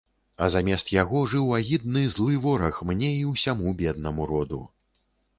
А замест яго жыў агідны, злы вораг мне і ўсяму беднаму роду.